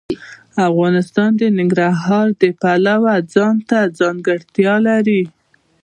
افغانستان د ننګرهار د پلوه ځانته ځانګړتیا لري.